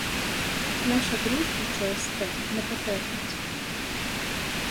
Наша дружба через те не потерпить.